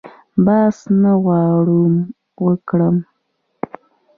بحث نه غواړم وکړم.